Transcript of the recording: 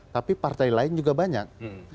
tapi partai lain juga banyak